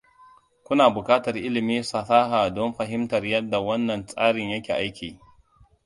Kuna buƙatar ilimin fasaha don fahimtar yadda wannan tsarin yake aiki.